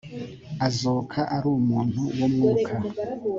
azuka ari umuntu w umwuka